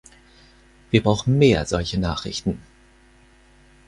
Wir brauchen mehr solche Nachrichten.